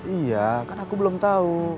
iya kan aku belum tahu